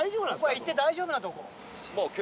ここは行って大丈夫なとこ？